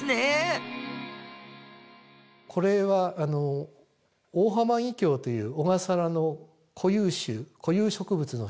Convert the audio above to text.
これはオオハマギキョウという小笠原の固有種固有植物の一つです。